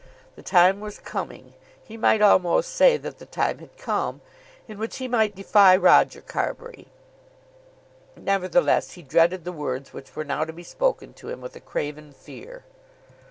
The time was coming, he might almost say that the time had come, in which he might defy Roger Carbury. Nevertheless, he dreaded the words which were now to be spoken to him with a craven fear.